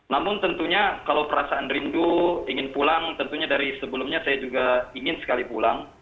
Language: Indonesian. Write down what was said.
namun tentunya kalau perasaan rindu ingin pulang tentunya dari sebelumnya saya juga ingin sekali pulang